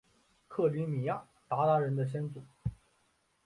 克里米亚鞑靼人的先祖？